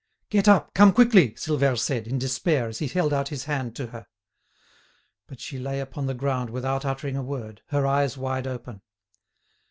"Get up; come quickly," Silvère said, in despair, as he held out his hand to her. But she lay upon the ground without uttering a word, her eyes wide open.